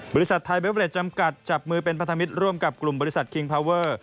บริษัทไทยเบเวรดจำกัดจับมือเป็นพันธมิตรร่วมกับกลุ่มบริษัทคิงพาเวอร์